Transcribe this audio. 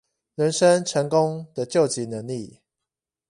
人生成功的究極能力